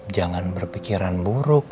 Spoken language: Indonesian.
jangan berpikiran buruk